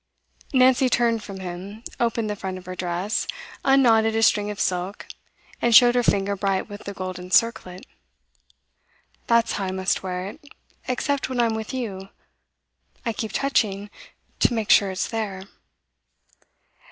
Nancy turned from him, opened the front of her dress, unknotted a string of silk, and showed her finger bright with the golden circlet. 'That's how I must wear it, except when I am with you. I keep touching to make sure it's there.